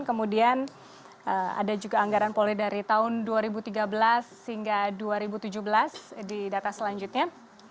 kemudian ada juga anggaran poli dari tahun dua ribu tiga belas hingga dua ribu tujuh belas di data selanjutnya